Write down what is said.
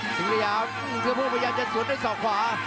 สิงสยามเสื้อพวกพยายามจะสวดด้วยส่อขวา